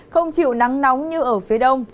không chịu nắng nóng như ở phía đông